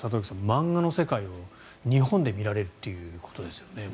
漫画の世界を日本で見られるということですよね。